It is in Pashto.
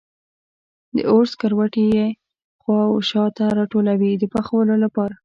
د اور سکروټي یې خوا و شا ته راټولوي د پخولو لپاره.